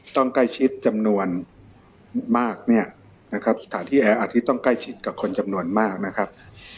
ต้องใกล้ชิดจำนวนมากเนี่ยนะครับสถานที่แอร์อัดที่ต้องใกล้ชิดกับคนจำนวนมากนะครับ